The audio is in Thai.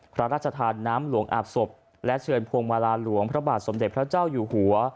พระราชทานน้ำหลวงอาบศพและเชิญพวงมาลาหลวงพระบาทสมเด็จพระเจ้าอยู่หัว